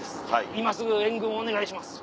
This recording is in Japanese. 「今すぐ援軍をお願いします！」